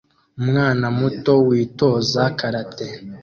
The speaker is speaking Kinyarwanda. Umwana muto witoza karate